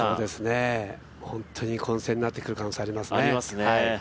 本当に混戦になってくる可能性ありますね。